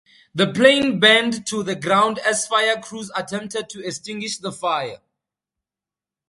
The plane burned to the ground as fire crews attempted to extinguish the fire.